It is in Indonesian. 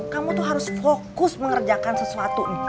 kamu tuh harus fokus mengerjakan sesuatu nih